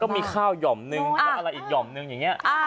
มีข้าวหย่อมนึงแล้วอะไรอีกห่อมนึงอย่างนี้